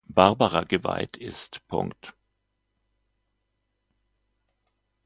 Barbara geweiht ist.